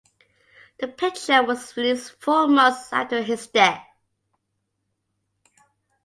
The picture was released four months after his death.